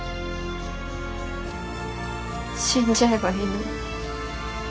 死んじゃえばいいのに。